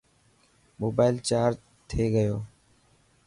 موبال چارج ٿي گيو.